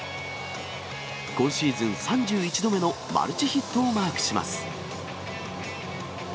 今シーズン３１度目のマルチヒットをマークします。